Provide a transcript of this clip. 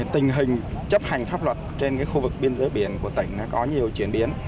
tình hình chấp hành pháp luật trên khu vực biên giới biển của tỉnh có nhiều chuyển biến